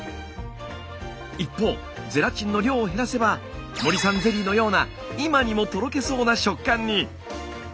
一方ゼラチンの量を減らせば森さんゼリーのような今にもとろけそうな食感に。